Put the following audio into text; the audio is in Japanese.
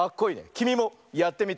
きみもやってみてくれ！